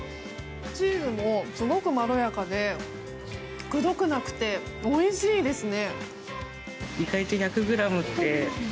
チーズもすごくまろやかでくどくなくて、おいしいですね。